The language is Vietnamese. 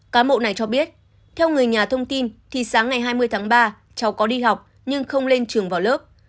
cán bộ này cho biết theo người nhà thông tin thì sáng ngày hai mươi tháng ba cháu có đi học nhưng không lên trường vào lớp